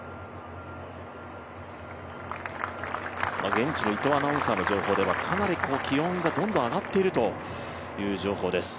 現地の伊藤アナウンサーの情報では、かなり気温がどんどん上がっているという情報です。